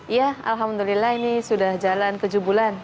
ya alhamdulillah ini sudah jalan tujuh bulan